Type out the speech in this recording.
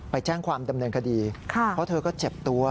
ไปแจ้งความดำเนินคดีเพราะเธอก็เจ็บตัว